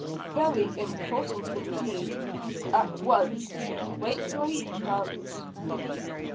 Very important indeed. At once. Wait till he comes."